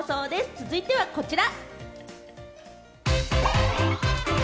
続いてはこちら。